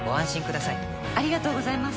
ありがとうございます。